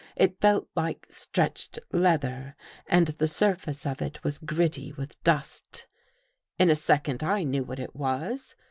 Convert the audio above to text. It felt like stretched leather p and the surface of it was gritty with dust. In a ji second I knew what it was.